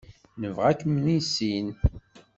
Nebɣa ad kem-nissin.